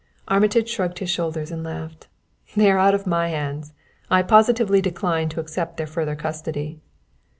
Armitage shrugged his shoulders and laughed. "They are out of my hands. I positively decline to accept their further custody."